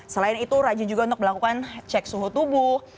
selain itu rajin juga untuk melakukan cek suhu tubuh